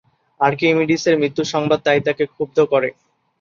আর্কিমিডিসের মৃত্যুসংবাদ তাই তাকে ক্ষুব্ধ করে।